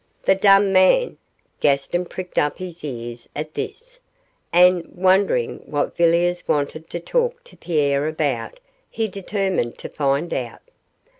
The dumb man! Gaston pricked up his ears at this, and, wondering what Villiers wanted to talk to Pierre about, he determined to find out.